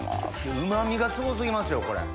うま味がすご過ぎますよこれ。